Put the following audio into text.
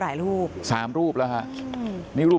ฝ่ายกรเหตุ๗๖ฝ่ายมรณภาพกันแล้ว